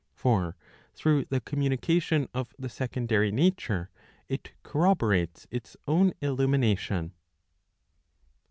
For through the communication of the secondary nature, it corroborates its own illumination.